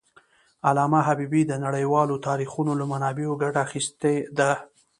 علامه حبيبي د نړیوالو تاریخونو له منابعو ګټه اخېستې ده.